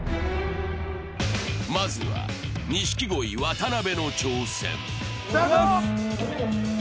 まずは錦鯉・渡辺の挑戦。